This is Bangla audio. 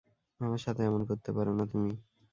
আমার সাথে এমন করতে পারো না তুমি।